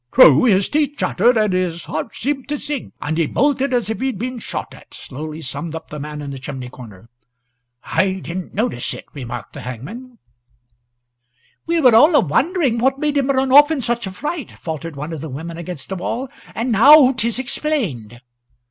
"True his teeth chattered, and his heart seemed to sink, and he bolted as if he'd been shot at," slowly summed up the man in the chimney corner. "I didn't notice it," remarked the grim songster. "We were all a wondering what made him run off in such a fright," faltered one of the women against the wall, "and now't is explained."